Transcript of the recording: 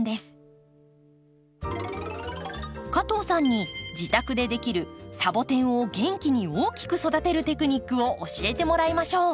加藤さんに自宅でできるサボテンを元気に大きく育てるテクニックを教えてもらいましょう。